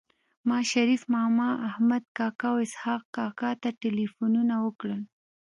ما شريف ماما احمد کاکا او اسحق کاکا ته ټيليفونونه وکړل